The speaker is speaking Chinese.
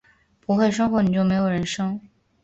不会生活，你就没有人生